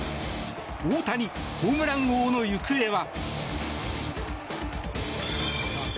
大谷、ホームラン王の行方は。